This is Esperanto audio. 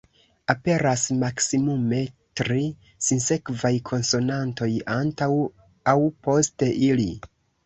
Aperas maksimume tri sinsekvaj konsonantoj antaŭ aŭ post ili.